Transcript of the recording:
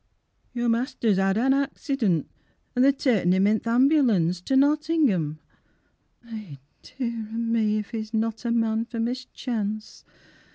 "Your mester's 'ad an accident, An' they're ta'ein 'im i' th' ambulance To Nottingham," Eh dear o' me If 'e's not a man for mischance!